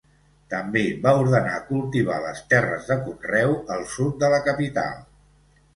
També va ordenar cultivar les terres de conreu al sud de la capital.